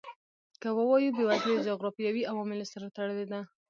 که ووایو بېوزلي له جغرافیوي عواملو سره تړلې ده.